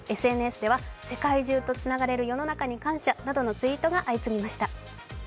ＳＮＳでは世界中とつながれる世の中に感謝などのツイートが相次ぎました。